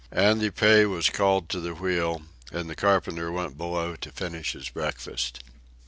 Andy Pay was called to the wheel, and the carpenter went below to finish his breakfast.